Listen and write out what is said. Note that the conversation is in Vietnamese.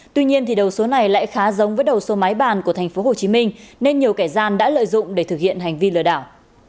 tuy nhiên đầu số này lại khá giống với đầu số máy bàn của tp hcm nên nhiều kẻ gian đã lợi dụng để thực hiện hành vi lừa đảo